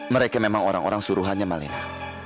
mereka memang orang orang suruhannya malina